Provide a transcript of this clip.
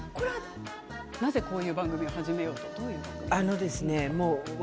なぜこういう番組を始めようと思ったんですか？